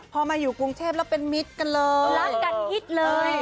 พอมาอยู่ปรุงเทพฯเราเป็นมิทร์กันเลยรักกันอิ่ดเลย